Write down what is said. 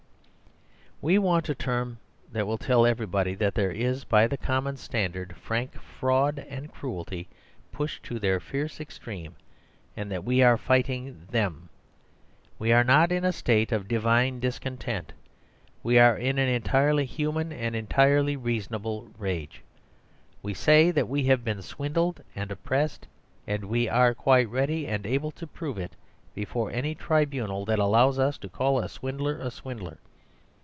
We want a term that will tell everybody that there is, by the common standard, frank fraud and cruelty pushed to their fierce extreme; and that we are fighting THEM. We are not in a state of "divine discontent"; we are in an entirely human and entirely reasonable rage. We say we have been swindled and oppressed, and we are quite ready and able to prove it before any tribunal that allows us to call a swindler a swindler.